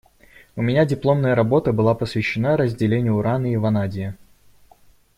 У меня дипломная работа, была посвящена разделению урана и ванадия.